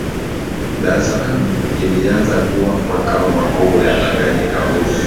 Dar es Salaam iliendelea kuwa makao makuu ya Tanganyika huru